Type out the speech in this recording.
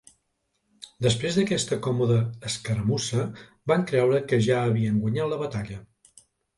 Després d'aquesta còmode escaramussa van creure que ja havien guanyat la batalla.